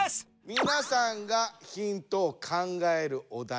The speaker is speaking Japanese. みなさんがヒントを考えるお題